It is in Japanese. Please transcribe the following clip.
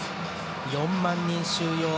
４万人収容。